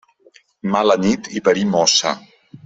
Mala nit i parir mossa.